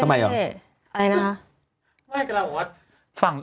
อะไรนะ